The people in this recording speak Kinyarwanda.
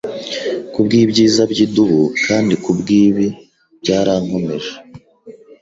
Kubwibyiza byidubu kandi kubwibi byarakomeje